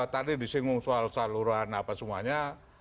tadi disinggung soal saluran apa semuanya